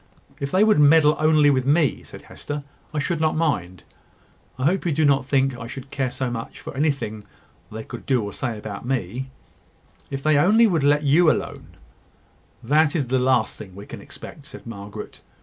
"If they would meddle only with me," said Hester, "I should not mind. I hope you do not think I should care so much for anything they could say or do about me. If they only would let you alone " "That is the last thing we can expect," said Margaret.